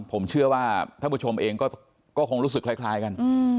ผมเชื่อว่าท่านผู้ชมเองก็คงรู้สึกคล้ายกัน